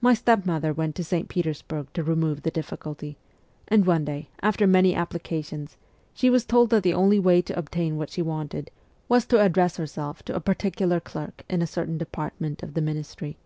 My stepmother went to St. Peters burg to remove the difficulty, and one day, after many applications, she was told that the only way to obtain what she wanted was to address herself to a particular clerk in a certain department of the ministry.